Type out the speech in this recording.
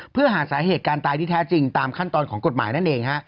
เพื่อหาสาเหตุการตายที่แท้จริงตามขั้นตอนของกฎหมายนั่นเองฮะ